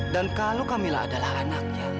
dan kalau kamila adalah anaknya